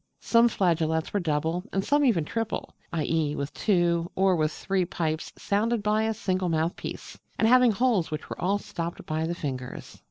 Some flageolets were double, and some even triple, i.e., with two, or with three, pipes, sounded by a single mouthpiece, and having holes which were all stopped by the fingers.